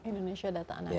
indonesia data analitik center